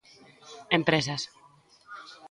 Empresas.